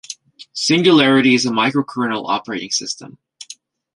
Singularity is a microkernel operating system.